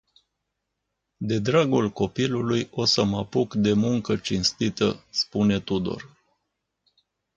De dragul copilului o să mă apuc de muncă cinstită spune Tudor.